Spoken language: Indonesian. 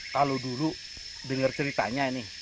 kalau dulu dengar ceritanya nih